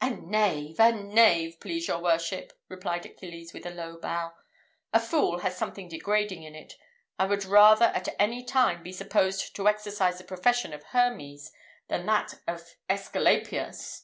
"A knave, a knave! please your worship," replied Achilles, with a low bow. "A fool has something degrading in it. I would rather at any time be supposed to exercise the profession of Hermes than that of Æsculapius.